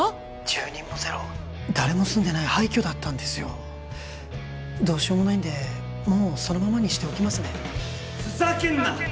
☎住人もゼロ誰も住んでない廃虚だったんですよどうしようもないんでもうそのままにしておきますねふざけんな！